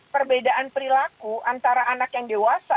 perbedaan perilaku antara anak yang dewasa